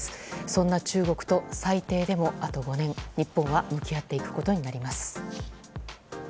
そんな中国と最低でもあと５年、日本は向き合っていくことになります。